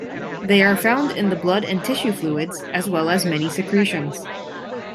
They are found in the blood and tissue fluids, as well as many secretions.